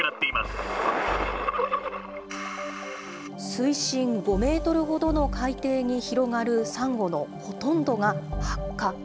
水深５メートルほどの海底に広がるサンゴのほとんどが白化。